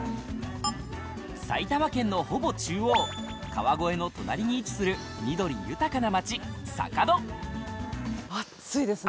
埼玉県のほぼ中央川越の隣に位置する緑豊かな街坂戸熱っついですね。